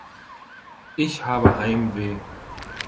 Ich habe Heimweh.